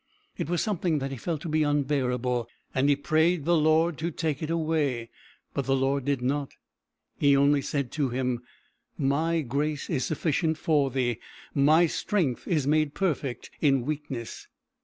It was something that he felt to be unbearable, and he prayed the Lord to take it away, but the Lord did not; he only said to him, "My grace is sufficient for thee. My strength is made perfect in weakness."